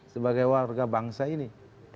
sebagai warga bangsa ini